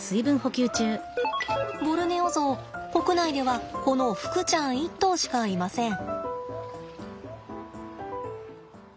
ボルネオゾウ国内ではこのふくちゃん１頭しかいません。